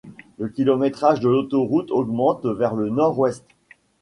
Le kilométrage de l'autoroute augmente vers le nord-ouest.